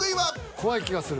怖い気がする。